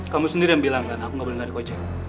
kamu sendiri yang bilang kan aku gak boleh dari kocek